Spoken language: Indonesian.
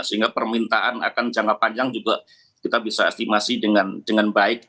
sehingga permintaan akan jangka panjang juga kita bisa estimasi dengan baik